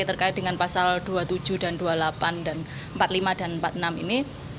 terkait dengan pasal dua puluh tujuh dan dua puluh delapan dan empat puluh lima dan empat puluh enam ini